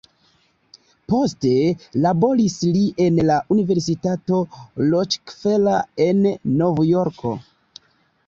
Poste laboris li en la Universitato Rockefeller en Novjorko.